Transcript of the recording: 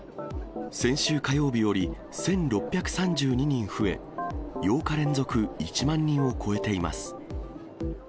先週火曜日より１６３２人増え、８日連続１万人を超えています。